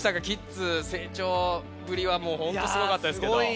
キッズ成長ぶりはもうほんとすごかったですけど。